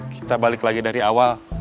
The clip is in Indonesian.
kita balik lagi dari awal